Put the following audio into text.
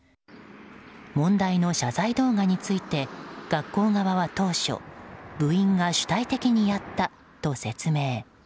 問題の謝罪動画について学校側は当初部員が主体的にやったと説明。